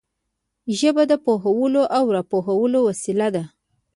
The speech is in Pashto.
ژبه د پوهولو او را پوهولو وسیله ده